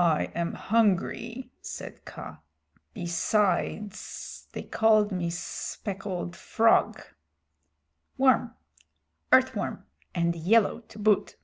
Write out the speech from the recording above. "I am hungry," said Kaa. "Besides, they called me speckled frog." "Worm earth worm, and yellow to boot."